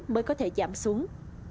mới có thể giảm xuống